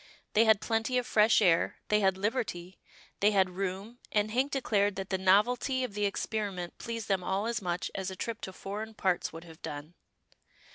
They had plenty of fresh air, they had liberty, they had room, and Hank declared that the novelty of the experiment pleased them all as much as a trip to foreign parts would have done.